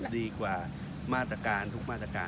ดีกว่ามาตรการทุกมาตรการ